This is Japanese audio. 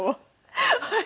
はい。